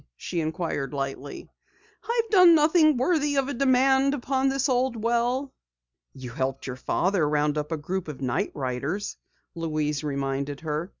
she inquired lightly. "I've done nothing worthy of a demand upon this old well." "You helped your father round up a group of Night Riders," Louise reminded her.